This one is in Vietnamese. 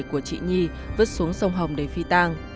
của chị nhi vứt xuống sông hồng để phi tang